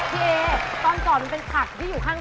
พี่เอตอนก่อนมันเป็นผักที่อยู่ข้าง